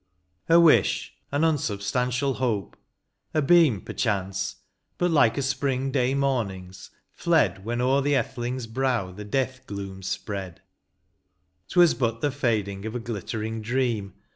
A WISH, an unsubstantial hope — a beam, Perchaace, but like a spring day morning s, fled, When o'er the Etheling s brow the death glooms spread; 'T was but the fading of a glittering dream.